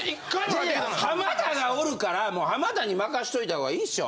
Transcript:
いやいや浜田がおるから浜田に任しといたほうがいいっしょ。